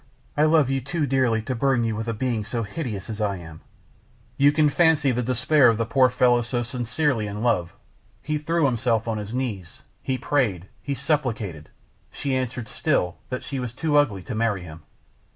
I love you too dearly to burden you with a being so hideous as I am." You can fancy the despair of the poor fellow so sincerely in love. He threw himself on his knees; he prayed; he supplicated; she answered still that she was too ugly to marry him.